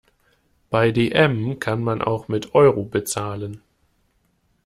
Bei dm kann man auch mit Euro bezahlen.